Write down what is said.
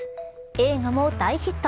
映画も大ヒット。